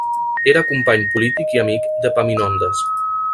Era company polític i amic d'Epaminondes.